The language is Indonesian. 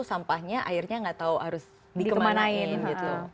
sampahnya akhirnya nggak tahu harus dikemanain gitu